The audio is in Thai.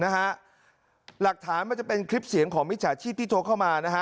หลักฐานมันจะเป็นคลิปเสียงของมิจฉาชีพที่โทรเข้ามานะฮะ